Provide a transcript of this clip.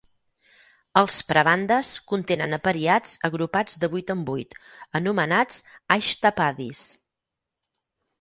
Els prabandhas contenen apariats agrupats de vuit en vuit, anomenats ashtapadis.